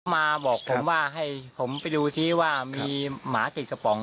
มาบอกผมว่าให้ผมไปดูซิว่ามีหมาติดกระป๋อง